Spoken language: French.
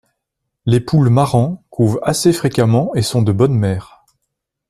Les poules Marans couvent assez fréquemment et sont de bonnes mères.